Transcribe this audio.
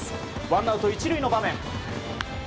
ワンアウト１塁の場面。